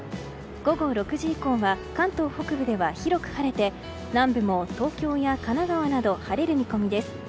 午後６時以降は関東北部では広く晴れて南部も東京や神奈川など晴れる見込みです。